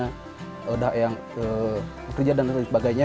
sudah yang bekerja dan lain sebagainya